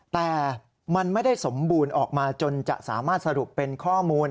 แต่มันไม่ได้สมบูรณ์ออกมาจนจะสามารถสรุปเป็นข้อมูล